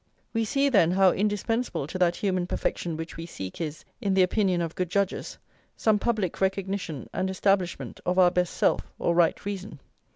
We see, then, how indispensable to that human perfection which we seek is, in the opinion of good judges, some public recognition and establishment of our best self, or right reason.